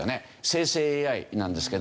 生成ＡＩなんですけど。